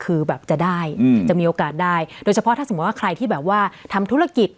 คือแบบจะได้จะมีโอกาสได้โดยเฉพาะถ้าสมมุติว่าใครที่แบบว่าทำธุรกิจ